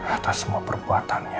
atas semua perbuatannya